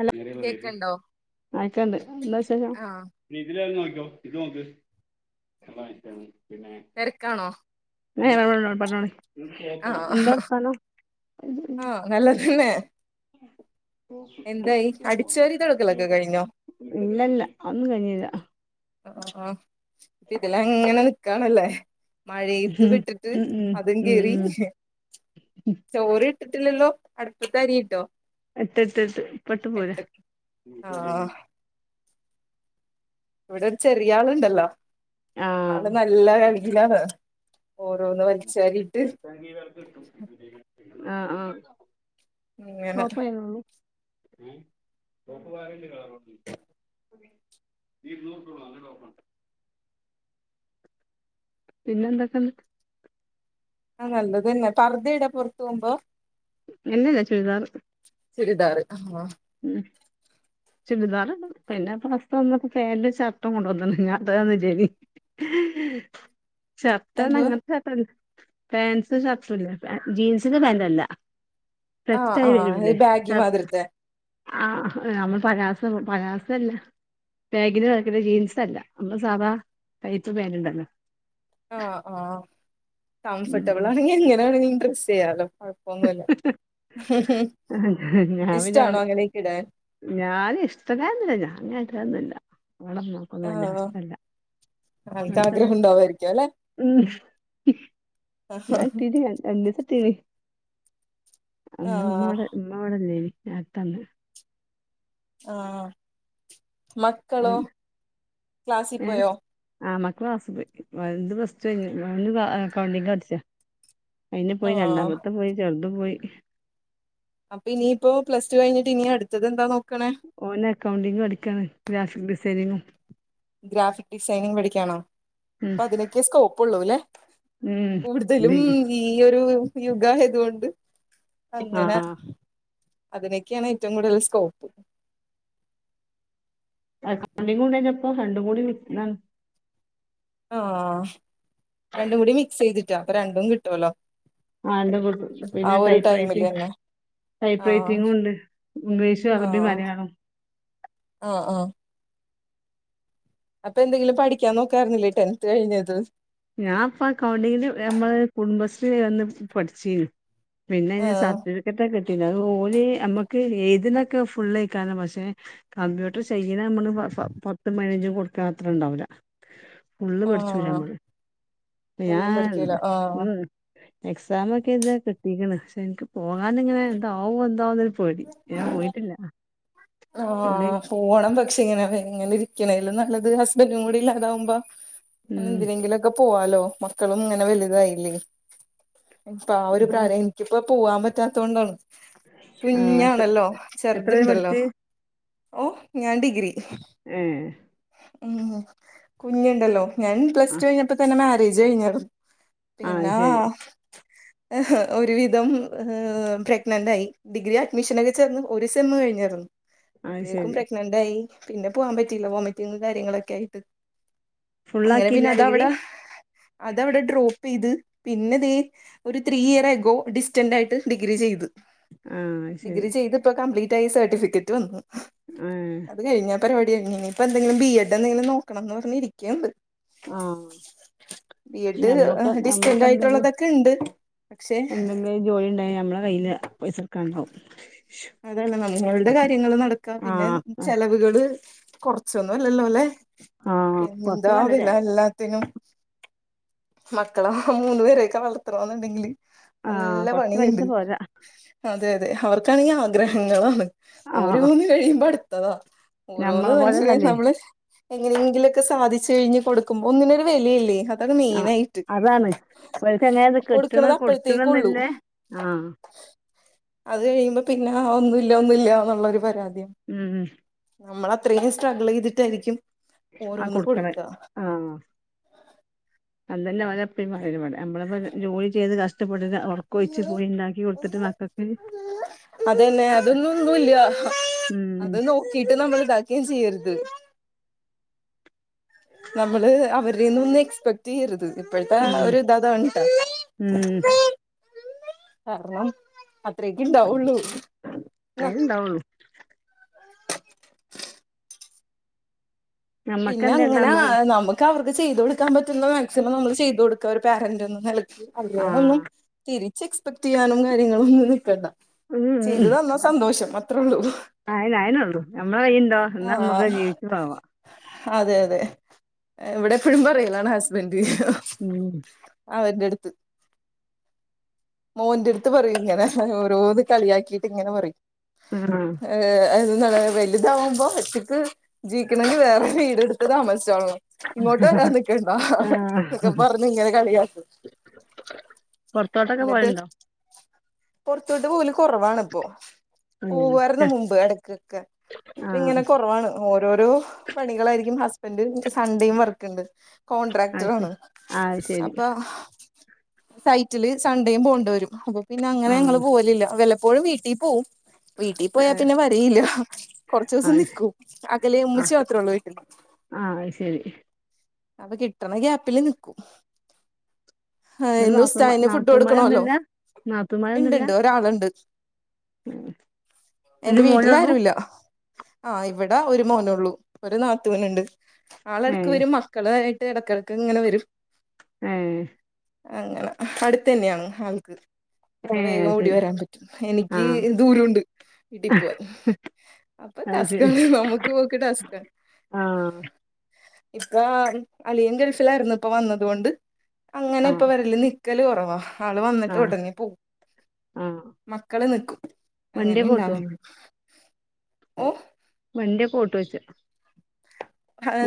അല്ല കേക്ക്ണ്ടോ കേക്കുന്നുണ്ട്എന്താ വിശേഷം? ആഹ് ഇനി ഇതിലേ വന്ന് നോക്കോ ഇത് നോക്ക് വെള്ളം നിക്കാണ് പിന്നെ. തിരക്കാണോ? [unintelligible] പറഞ്ഞോളീ ന്താർത്തനം? നല്ലത് തന്നെ. എന്തായി അടിച്ച് വാരി തുടക്കലൊക്കെ കഴിഞ്ഞോ? ഇല്ലല്ല അതൊന്നും കഴിഞ്ഞില്ല അഹ് അഹ് ആഹ് ഇതിലങ്ങനെ നിക്കാണല്ലേ. മഴയത്ത് ഉം വിട്ടിട്ട് ഉം ഉം അതും ഉം കേറി. ഉം ചോറ് ഇട്ടിട്ടില്ലല്ലോ അടുപ്പത്ത് അരിയിട്ടോ? ഇട്ട് ഇട്ട് ഇട്ട് ഇപ്പം ഇട്ട് പോരുവാ. എട്ടക്ക് ആഹ് ഇവിടെ ഒരു ചെറിയ ആളുണ്ടല്ലോ ആള് ആഹ് നല്ല കളിയിലാണ്. ഓരോന്ന് വലിച്ച് വാരിയിട്ട്. ഈവർക്കിട്ടും [inaudible] ആഹ് ആഹ് ഇങ്ങനെ കൊപ്പായന്നൊള്ളൂ. ഉം തുത്തുവാരിയില്ലേ കളർ നോക്കി. ഈ ബ്ലൂ നല്ല ടോപ്പുണ്ട്. പിന്നെ എന്തൊക്കെയുണ്ട്. ആ നല്ലത് തന്നെ പർദ്ദ ഇടുക പുറത്ത് പോകുമ്പോ? ഇല്ലില്ലാ ചുരിദാറ്. ചുരിദാറ് ആഹ്. ഉം. ചുരിദാറിടും പിന്നെ പുറത്ത് വന്ന പാന്റും ഷർട്ടും കൊണ്ടുവന്ന് ഞാൻ ഇടുകാന് വിചേരിക്കും. ഷർട്ട് പറഞ്ഞാ എന്തുവാ അങ്ങനത്തെ [unintelligible] പാൻറ്സും ഷർട്ടും ഇല്ല ജീൻസിന്റെ പാൻറ് അല്ല. ആഹ് സെറ്റായി ആഹ് ഈ വരൂല്ലേ ബാഗി ഷർ മാതിരത്തെ ആഹ് നമ്മള് പാലസോ പാലാസ അല്ല. ബാഗിന് മാതിരിത്തെ ജീൻസ് അല്ല നമ്മള് സാധാ [unintelligible] പാന്റ്റുണ്ടല്ലോ. ആഹ് ആഹ് കംഫോർട്ടബിൾ ആണെങ്കിൽ എങ്ങനെവെണെങ്കിലും ഡ്രസ്സ് ചെയ്യാലോ. ഒന്നുംല്ല ഇഷ്ടാണോ അങ്ങനെക്കിടാൻ ഞാന് ഇഷ്ടല്ലായൊന്നുല്ല ഞാ അങ്ങനെ ഇടലൊന്നുല്ല ഇങ്ങളൊന്നു [unintelligible] ആഹ് അവസ്ഥല്ല അനക്ക് ആഗ്രഹം ഉണ്ടാവായിരിക്കും അല്ലെ [unintelligible] ഞാൻ ഇട്ടീനി ര രണ്ടീസട്ടീനി അന്ന് ആഹ് ഇമ്മവടെ ഇമ്മവടെല്ലേനി ഞാ ഇട്ടന്ന് ആഹ് മ ഓന് ഏഹ് ആഹ് മക്കളാസ്സ് പോയി വല്ത് പ്ലസ്ടു കഴിഞ്ഞ് [unintelligible] അക്കൗണ്ടിങ്ങഠ്ച്ച അയിന് പോയി ആഹ് രണ്ടാമത്തെ പോയി ചെറുതും പോയി അപ്പൊ ഇനിയിപ്പോ പ്ലസ് ടു കഴിഞ്ഞിട്ട് ഇനി അടുത്തത് എന്താ നോക്കണേ ഓന് അക്കൗണ്ടിംഗ് പഠിക്കാണ് [unintelligible] ഡിസൈനിങ്ങും ഗ്രാഫിക് ഡിസൈനിംഗ് പഠിക്ക്യാണോ ഉം ഇപ്പതിനൊക്കെ സ്കോപ്പുള്ളൂല്ലേ ഉം കൂടുതലും ഡിഗ്രി ഈയൊരു യുഗായത് കൊണ്ട് അങ്ങനെ ആഹ് അതിനൊക്ക്യാണ് ഏറ്റവും കൂടുതല് സ്കോപ്പ് ആഹ് ഹണിമൂണ് കഴിഞ്ഞപ്പം രണ്ടും കൂടി വിര്ന്നാണ്. ആഹ് രണ്ടും കൂടി മിക്സെയ്തിട്ടാ അപ്പൊ രണ്ടും കിട്ടോല്ലോ ആഹ് [unintelligible] പിന്നെ ടൈപ്രൈറ്റിംഗ്. തന്നെ ടൈപ്പ് ആഹ് റൈറ്റിങ്ങുണ്ട് ഇംഗ്ലീഷ് അറബി ആഹ് മലയാളം ആഹ് ആഹ് അപ്പ എന്തെങ്കിലും പഠിക്ക്യാൻ നോക്കാരുന്നില്ലേ ടെൻത് കഴിഞ്ഞത് ഞാൻ ഇപ്പ അക്കൗണ്ടിങ്ങില് ഏഹ് ഞമ്മളെ കുടുംബശ്രീ വഴി വന്ന് പഠിച്ചീനി പിന്നെ ഞാൻ ആഹ് സർട്ടിഫി [unintelligible] കിട്ടീന് അത് ഓല് അമ്മക്ക് എയ്ത് ന്നൊക്കെ ഫുള്ളേക്കാരം പക്ഷെ.. കമ്പ്യൂട്ടർ ചെയ്യ്ന ഞമ്മള് പ പ പത്തും പയിനഞ്ചും കൊടുത്താ അത്രണ്ടാവൂല ഫുള്ള് പഠിച്ചൂല ആഹ് ഞമ്മള് പ്പ ഒന്നും ഞാൻ പഠിക്കൂല ആഹ് ഉം എക്സാമൊക്കെ എയ്തിയത് കിട്ടിക്ക്ണ് പക്ഷെ ഇന്ക്ക് പോകാന്ങ്ങനെ എന്താവും എന്താവുന്നൊര് പേടി ഞാൻ പോയിട്ടില്ല ആഹ് ആഹ് പോണം പക്ഷേ ഇങ്ങനാവു ഇങ്ങനെ ഇരിക്കണേലും നല്ലത് ഹസ്ബന്റുക്കൂടി ഇല്ലാതാവുമ്പം [unintelligible] ഉം എന്തിനേങ്കിലൊക്ക പോവാലോ മക്കളും ങ്ങനെ വലുതായില്ലേ ഇപ്പ ആ ഒരു കാര്യെ ആഹ് ഇൻക്കിപ്പോ പോവാൻ പറ്റാതോണ്ടാണ് എത്ര കുഞ്ഞാണല്ലോ എത്ര വരെ ചെറ്ത്ണ്ടല്ലോ പഠിച്ച് ഓഹ് ഞാൻ ഡിഗ്രി ഏഹ് ഉം കുഞ്ഞ്ണ്ടല്ലോ ഞാൻ പ്ലസ്ടു ആഹ് കഴിഞ്ഞപ്പതന്നെ മാരേജ് കഴിഞ്ഞാര്ന്നു ആഹ് അത് പിന്നാ ശരി ഒരുവിധം ഏഹ് പ്രഗ്നന്റായി ഡിഗ്രി അഡ്മിഷനൊക്കെ ചേർന്ന് ഒരു സെമ്മ് കഴിഞ്ഞാരും അത് അപ്പഴേക്കും ശരി പ്രഗ്നന്റായി പിന്നെ പോവാൻ പറ്റിയില്ല വോമിറ്റിങും കാര്യങ്ങളൊക്കെ ആയിട്ട് അങ്ങനെ പിന്നെ ഫുള്ളാക്കിയില്ല ഡിഗ്രി അതവ്ടെ അതവ്ടെ ഡ്രോപ്പെയ്ത് പിന്നെ ദേ ഒരു ത്രീ ഇയർ എഗോ ഡിസ്റ്റന്റായിട്ട് ഡിഗ്രി ചെയ്ത് ആഹ് അത് ശരി ഡിഗ്രി ചെയ്ത്പ്പോ കംപ്ലീറ്റായി സർട്ടിഫിക്കറ്റ് വന്നു ഉം അത് കഴിഞ്ഞ് ആ പരിപാടി കഴിഞ്ഞ് ഇനിയിപ്പന്തെങ്കിലും ബി എഡ് എന്തെങ്കിലും നോക്കണംന്ന് പറഞ്ഞ് ഇരിക്ക്ണ്ട് ആഹ് ബി എഡ് ഞമ്മക്ക് ഏഹ് ഞമ്മക്ക് ഡിസ്റ്റന്റായിട്ടുള്ളതൊക്കെ ഇണ്ട് പക്ഷേ ന്തെങ്കിലും ജോലിണ്ടായ അമ്മളെ കയ്യില് പൈസട്ക്കാണ്ടാവും. അതാണ് നമ്മള്ടെ കാര്യങ്ങള് നടക്കാ പിന്നെ ഉം ആഹ് ഉം ചെലവുകള് കൊറ സുന്നുംല്ലല്ലോ ല്ലെ ആഹ് കൊറച്ച് നല്ല ചെ എന്താവില എല്ലാത്തിനും. മക്കളെ മൂന്നു പേരൊക്കെ വളർത്തണോന്ന്ണ്ടെങ്കില് ആഹ് നല്ല കൊറച്ച് പൈസ പണിയിണ്ട് പോരാ അതെ അതെ അവർക്കാണെങ്കി ആഗ്രഹങ്ങളാണ് ആഹ് ഓരോന്ന് കഴിയുമ്പോ അട്ത്തതാ ഓരോന്ന് ഞമ്മളെ [unintelligible] പോലെന്നല്ലേ നമ്മള് എങ്ങനെങ്കിലൊക്കെ സാധിച്ചഴിഞ്ഞ് കൊടുക്കും ഒന്നിനൊരു വെലയില്ലേ അതാണ് മെയിനായിട്ട് ഇവല്ക്കെങ്ങേത് കിട്ട്ണ് കൊടുക്കണത് അപ്പോഴത്തേക്കുള്ളൂ കൊടുക്ക്ണ്ന്ന്ല്ലെ ആഹ് അത് കഴിയുമ്പോ പിന്നാ ഒന്നുല്ല ഒന്നുല്ലാന്നുള്ളൊരു പരാതിയാ ഉം നമ്മള അത്രേം സ്ട്രഗിളെയ്തിട്ടായിരിക്കും. ആ കൊടുക്കണ് ആഹ് അതന്നേ ഓലെപ്പഴും പറയല്ബടെ നമ്മളപ്പോ ജോലി ചെയ്ത് കഷ്ടപ്പെടുക. ഒറക്കൊഴിച്ച് പോയി ണ്ടാക്കി കൊടുത്തിട്ട് മക്കക്ക് അതന്നെ അതൊന്നും ഒന്നുംല്ല്യ ഉം അത് നോകീട്ട് നമ്മൾ ഇതാക്കേം ചെയ്യരുത് നമ്മള് അവര്ടെന്ന് ഒന്നും എക്സ്പെക്റ്റെയ്യരുത് ഇപ്പോഴത്തെ ഉം ഒരു ത് താണ് ട്ടോ ഉം കാരണം അത്രേക്ക് ണ്ടാകൊള്ളൂ അയിന് ണ്ടാവൊള്ളൂ. പിന്നെ ഞമ്മക്കെന്തേ അങ്ങനെ നമ്മളെ നമക്ക് അവർക്ക് ചെയ്ത് കൊടുക്കാൻ പറ്റുന്ന മാക്സിമം നമ്മള് ചെയ്ത് കൊട്ക ഒരു പാരൻറ് ന്ന നിലക്ക അല്ലതൊന്നും ആഹ് തിരിച്ച് എക്സ്പെക്ട് ചെയ്യാനും കാര്യങ്ങളൊന്നും നിക്കണ്ട. ഉം ചെയ്തുതന്നാ സന്തോഷം അത്രള്ളൂ. അയനെ അയനൊളു ഞമ്മളെ കൈയുണ്ടോ ന്നാ നമ്മക്ക് ജീവിച്ച് പോവാ. ആ അതെ അതെ ഇവിടെ എപ്പഴും പറയ്ണ് ആണ് ഹസ്ബന്റ്. ഉം. അവന്റെടുത്ത്. മോന്റെടുത്ത് പറയും ഇങ്ങനെ ഓരോന്ന് കളിയാക്കിട്ട് ഇങ്ങനെ പറയും. ആഹ് ഏഹ് എന്താണ് വലുതാവുമ്പോ ഒറ്റയ്ക്ക് ജീവിക്കണെങ്കിൽ വേറെ വീടെടുത്ത് താമസിച്ചോളണം. ഇങ്ങോട്ട് വരാൻനിക്കണ്ടന്നൊക്കെ ആഹ് പറഞ് ഇങ്ങനെ കളിയാ ക്കെ പോലണ്ടോ. പൊറത്തോട്ടൊവല് കൊറാവാണിപ്പൊ. ഉം പോവാർന്ന് മുമ്പ് എടക്കൊക്കെ ഇപ്പൊ ആഹ് ഇങ്ങനെ കൊറവാണ്. ഓരോരോ പണികളായിരിക്കും ഹസ്ബന്റ് സൺഡേയും വർക്കിണ്ട്. അത് ശരി കോൻട്രാക്ടറാണ് ആ അത് ശരി അപ്പൊ. റ്റില് സൺണ്ടേയും പോണ്ടരും അപ്പൊ പിന്നെ അങ്ങനെ ഞങ്ങള് ആഹ് പോകലില്ല വല്ലപ്പോഴും വീട്ടീ പോവും. വീട്ടീ പോയാ ഏഹ് പിന്നെ വരെല്ല. കൊറച്ചുസം അത് നിക്കും അകലേ ആഹ് ഉമ്മിച്ചി മാത്രള്ളൂ വീട്ടില്. ആഹ് അഹ്ശരി. അപ്പ കിട്ടണഗ്യാപ്പില്നിക്കും. ആഹ് ഇവടെ ഇന്ന് നാത്തൂൻമാ ഉസ്താദിന് ഫുഡ് കൊടുക്കണല്ലോ നാത്തൂൻമാരൊന്നുല്ല ഇണ്ട്ണ്ട് ഒരാള്ണ്ട്. മ്ഹ്. എന്റെ വീട്ടിലാരുല്ല. ആഹ് ഇവിടെ ഒരു മോനൊള്ളൂ ഒരു നാത്തുനിണ്ട് ആളെട്ക്ക് ഏഹ് വരും മ ക്കളായിട്ട് എടക്കെടക്ക് ഇങ്ങനെ വരും. ഏഹ്. അങ്ങനെ അടുത്തന്നെയാണ് ആൾക്ക്. ഏ അപ്പൊ വേഗം അത് ഓടി ശരി വരാൻ പറ്റും ആ എനിക്ക് ദൂരുണ്ട് വീട്ടിപോവാൻ. അപ്പൊ അത് ടാസ്കാണ് നമക്ക് പോക്ക് ടാസ്ക. ആഹ്. ആ അളിയൻ ഗൾഫിലായിരുന്നു ഇപ്പ വന്നത്കൊണ്ട് അങ്ങനെ ആ ഇപ്പവരല് നിക്കല് കൊറവാ. ആള് ആ വന്നിട്ട് ഒടനെ പോവും. ആ മക്കള് നിക്കും വണ്ടി കൂട്ടോ അങ്ങനെണ്ടാവല് ഓഹ്. വന്റെ ഫോട്ടോ വെച്ച്.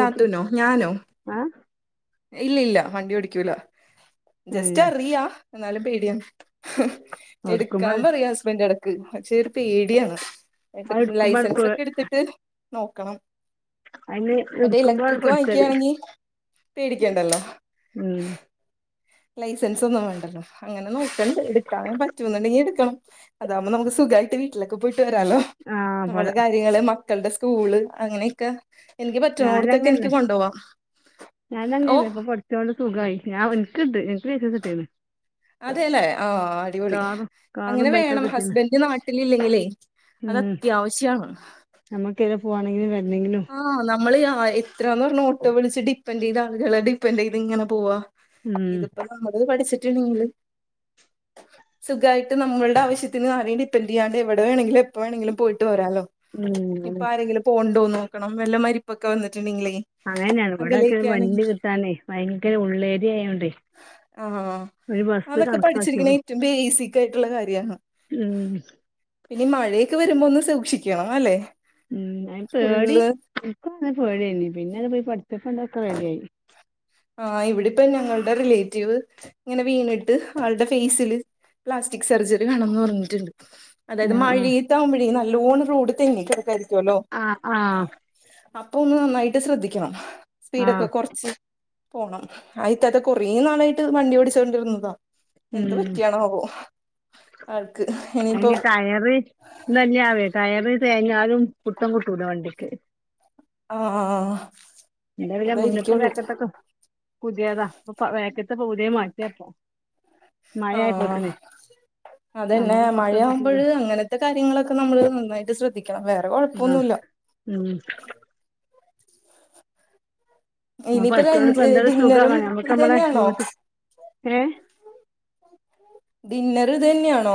നത്തൂനോ ഞാനോ. ആഹ്. ഇല്ല ഇല്ല വണ്ടി ഓടിക്കൂല ഏ ജസ്റ്റ് അറിയാ ന്നാലും പേടിയാണ്. എടുക്കുമ്പോ എടുക്കാൻ അത് പറയും ഹസ്ബന്റ് എടക്ക് പക്ഷെ ഒരു പേടിയാണ്. എടുക്കുമ്പോ ലൈസൻസ് ഒക്കെ എടുത്തിട്ട് നോക്കണം. അതിന് മറ്റേ എടുക്കുമ്പോഴാണ് ഇലക്ട്രിക് പഠിച്ചത് വാങ്ങിക്കാണെങ്കി പേടിക്കണ്ടല്ലോ. ഉം. ലൈസൻസ് ഒന്നും വേണ്ടല്ലോ അങ്ങനെ നോക്കണ്ട് എടുക്കാൻ പറ്റുന്നുണ്ടെങ്കിഎടുക്കണം. അതാവുമ്പൊ നമുക്ക് സുഖായിട്ട് വീട്ടിലൊക്കെ പോയിട്ട് വരാലോ. ആ പോലെ നമ്മളെ കാര്യങ്ങള് മക്കള്ടെ സ്കൂള് അങ്ങനെയൊക്കെ. എനിക്ക് പറ്റുണോട്ത്തൊക്കെ ഞാനങ്ങന്നെ എനിക്ക് കൊണ്ടോവാ ഓ. ഇ സുഖായി ഞാൻ എൻക്ക്ണ്ട് ഇനിക്ക് ലൈസൻസ് കിട്ടീൻ അതെല്ലേ ആഹ് അടിപൊളി. കാറും അങ്ങനെ ബൈക്കൊക്കെ വേണം കിട്ടീണ് ഹസ്ബൻഡ് നാട്ടിലില്ലെങ്കിലേ അത് അത്യാവശ്യാണ്. ഞമക്ക് എടെ പോവാണെങ്കിലും വരണെങ്കിലും. ആഹ് നമ്മള് അഹ് എത്രാന്ന് പർഞ്ഞാ ഓട്ടോ വിളിച്ച് ഡിപ്പന്റൈത് ആളുകളെ ഡിപ്പന്റൈത്ങ്ങനെ പോവാ. ഉം ഇതിപ്പോ നമ്മളത് പഠിച്ചിട്ട്ണ്ടങ്കിൽ. [inaudible] സുഖായിട്ട് നമ്മൾടെ ആവ്ശ്യത്തിന് ആരെയും ഡിപ്പെന്റെയ്യാണ്ട് എവ്ടെ വേണെങ്കിലും എപ്പൊ വേണെങ്കിലും പോയിട്ട് വരാലൊ. ഉം ഇപ്പൊ ആരെങ്കിലും പോവ്ണ്ടോ നോക്കണം വല്ല മരിപ്പൊക്കെ വന്നിട്ട്ണ്ടെങ്കിലേ. അങ്ങനന്നേണ് ഇവ്ടൊക്കെ വണ്ടി കിട്ടാനേ വൈങ്കര ഉള്ളേരിയായോണ്ടേ. ആഹ് അതൊക്കെ പഠിച്ചിരിക്ക്ണ കണക്കാക്കിയോളൂ ഏറ്റവും ബേസികായിട്ടുള്ള കാര്യാ. ഹ്മ്. പിന്നീ മഴയൊക്കെ വരുമ്പോ ഒന്ന് സൂക്ഷിക്കണം അല്ലേ. ഹ്മ് ഐൻ പേടി ഇന്ക്കും ല്ല പേടിയേനി പിന്നെ അത് പോയി പട്ച്ചപ്പണ്ടൊക്കെ റെഡിആയി. ആഹ് ഇവിടെപ്പ ഞങ്ങള്ടെ റിലേറ്റീവ്. ഇങ്ങനെ വീണിട്ട് ആള്ടെ ഫേസില് പ്ലാസ്റ്റിക് സർജറി വേണംന്ന് പർഞ്ഞിട്ട്ണ്ട്. അതായത് ആഹ് ആഹ് മഴീത്താവുമ്പോഴേ നല്ലോണ്ണം റോഡ് തെന്നിക്കെടക്കായിര്ക്കും. ആഹ് ആഹ്. അപ്പൊ ഒന്ന് നന്നായിട്ട് ശ്രദ്ധിക്കണം ഹ് സ്പീഡൊക്കെ ആഹ് കൊറച്ച്. പോണം ആ ഇത്താത്ത കൊറേ നാളായിട്ട് വണ്ടി ഓടിച്ചോണ്ടിര്ന്നതാ. എന്ത് ഉം പറ്റിയാണോവോ ആൾക്ക്. ഇനിയിപ്പോ അയ്ന് ടയറ് തെന്ന്യാവുഎ ടയർ തേഞ്ഞാലും പുട്ത്തം കിട്ടൂല വണ്ടിക്ക്. ആഹ് ആഹ്. എന്റെ പിന്നെ മുന്ന്ത്തും അതായിരിക്കുള്ളൂ ബേക്ക്ത്തൊക്കെ പുത്യേതാ അപ്പൊ വേക്ക്ത്തപ്പൊ പുത്യേ മാറ്റിയാപ്പം. ആഹ് മയായപ്പോത്ത്ന്. അതന്നെ മഴയാവുമ്പഴ് അങ്ങനെത്തെ കാര്യങ്ങളൊക്കെ നമ്മള് നന്നായിട്ട് ശ്രദ്ധിക്കണം വേറെ ആഹ് കൊഴപ്പന്നുല്ല. ഉം. അപ്പൊ ഇനിയിപ്പ പഠിച്ചോണ്ട് ലഞ്ച് ഇപ്പ ഹ് എന്തൊരു സുഖാ ഡിന്നറും ഞമ്മക്ക് ഞമ്മളെ ഇതന്ന്യാണോ? വീട്ട്ക്ക് ഏഹ് ഡിന്നർ ഇതന്ന്യാണോ?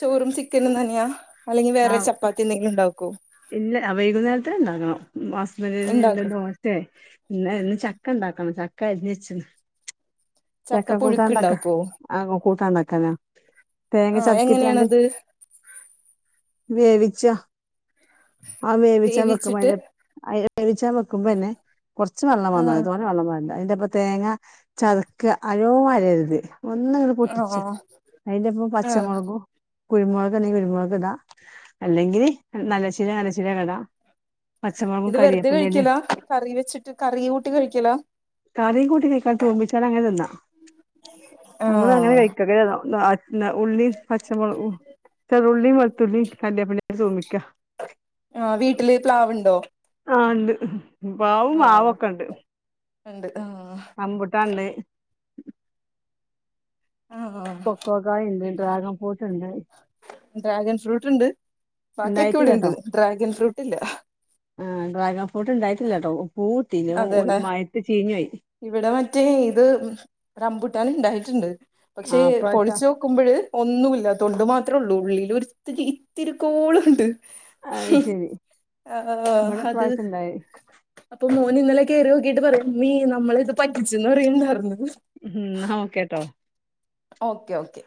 ചോറും ചിക്കനും തന്നെയാ അല്ലെങ്കി വേറെ ആഹ് ചപ്പാത്തി എന്തെങ്കിലും ഇണ്ടാക്കോ? ഇല്ല ആ വൈകുന്നേര്ത്തിന് ഇണ്ടാക്കണം ഹസ്ബന്റിന് ഉണ്ടാക്കും ഞെന്തെലും ഓ. ദേ ഇന്നേ ഇന്ന് ചക്ക ഇണ്ടാക്കണം ചക്ക അരിഞ്ഞ്ച്ച്ണ്. ചക്ക പുഴുക്ക് കൂട്ടാണ്ടാക്കാ ഉണ്ടാക്കുവോ ആ കൂട്ടാണ്ടാക്കാനൊ തേങ്ങ ആ ചത്ക്കിയിട്ടാണ്ട്. എങ്ങനെയാണത് വേവിച്ച്അ ആ വേവിച്ചേമ്പക്കം വേവിച്ചിട്ട് അയ്. അയ്നെ വേവിച്ചാ വെക്കുമ്പോന്നെ കൊർച്ച് വെള്ളം ആ പാർന്ന മതി തോനെ വെള്ളം പാരണ്ട അയ്ന്റൊപ്പ. തേങ്ങ ചതക്ക നല്ലോ അരര്ത്. ഒന്ന്ങ്ങട് ആ പൊട്ടിച്ച അയ്ന്റൊപ്പം ആ പച്ചമൊള്കും. കുരുമുളക് ആണെങ്കി കുരുമുളക് ഇടാ അല്ലെങ്കിൽ നല്ല ചിരകാണെ നല്ലച്ചിരകെടാ. ഇത് വെറുത കൈക്കലാ കറി വെച്ചിട്ട് കറി കൂട്ടി കൈക്കലാ. കറിം കൂട്ടി കയ്ക്കാ തൂമിച്ചാതെ അങ്ങനെ തിന്നാ ആ നമ്മള് അങ്ങനെ കയ്ക്. [unintelligible] ഉള്ളി പച്ചമോള്കും. ചെറുള്ളീം വെൾത്തുള്ളീം കാര്യേപ്പ്ന്റെലിം തൂമിക്കാ. ആഹ് വീട്ടില് പ്ലാവ്ണ്ടോ? ആഹ് ഇണ്ട് പ്ലാവും മാവൊക്കെ ഇണ്ട്. ഇണ്ട് ആഹ്. അമ്പുട്ടാണ്ട്. ആഹാ [unintelligible] കൊഗായിണ്ട് ഡ്രാഗൻ ഫു. [unintelligible] ഡ്രാഗൻ ഫ്രൂട്ട്ണ്ട് ബാക്കിയൊക്കെ ഇവിടെണ്ട് ഡ്രാഗൻ ഫ്രൂട്ട് ഇല്ല. ആഹ് ഡ്രാഗൺ ഫ്രൂട്ട് ഇണ്ടായ്ട്ട്ല്ലട്ടോ പൂവ് ഇട്ടീനി അഹ് അതെ ഉ മയയത്ത് ചീഞ്ഞുപോയി ഇവിടെ മറ്റേ ഇത് റംബൂട്ടാന് ഇണ്ടായ്ട്ട്ണ്ട് പക്ഷേ ആ ഇപ്രാവശ്യം പൊളിച്ചോ- ക്കുമ്പോഴ് ഒന്നുല്ല തൊണ്ട് മാത്രുള്ളൂ ഉള്ളിൽ ഒരിത്തിരി ഇത്തിരിക്കോളുണ്ട്. അത് ശരി ആഹ് ഇവിടെ അത് ഇപ്രാവശ്യം ഉണ്ടായി അപ്പൊ മോന് ഇന്നലെ കയറി നോക്കിട്ട് പറയാ മമ്മി നമ്മളെ ഇത് പറ്റിച്ചന്ന് പറയണ്ടായിരുന്നു. ഉം എന്നാ ഓക്കേട്ടോ. Okay okay.